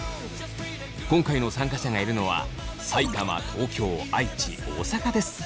今回の参加者がいるのは埼玉東京愛知大阪です。